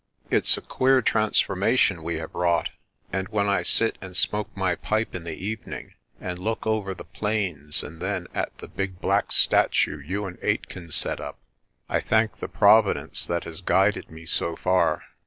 It's a queer transforma tion we have wrought, and when I sit and smoke my pipe in the evening and look over the plains and then at the big black statue you and Aitken set up, I thank the Providence that has guided me so far.